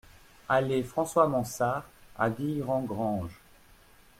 Allée François Mansard à Guilherand-Granges